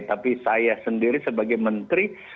tapi saya sendiri sebagai menteri